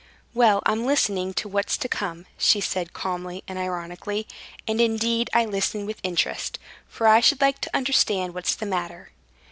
"Well, I'm listening to what's to come," she said, calmly and ironically; "and indeed I listen with interest, for I should like to understand what's the matter."